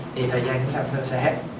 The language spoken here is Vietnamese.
thì thời gian chúng ta sẽ hết